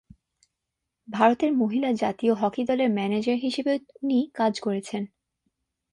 ভারতের মহিলা জাতীয় হকি দলের ম্যানেজার হিসেবেও উনি কাজ করেছেন।